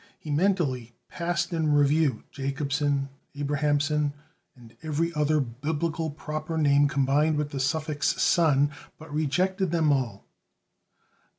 He mentally passed in review Jacobson, Abrahamson, and every other Biblical proper name combined with the suffix "son," but rejected them all.